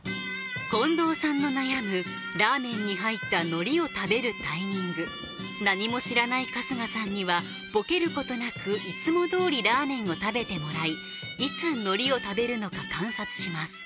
近藤さんの悩むラーメンに入った海苔を食べるタイミング何も知らない春日さんにはボケることなくいつも通りラーメンを食べてもらいいつ海苔を食べるのか観察します